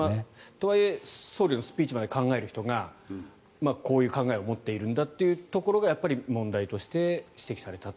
とはいえ総理のスピーチまで考える人がこういう考えを持っているんだというところが問題として指摘されたと。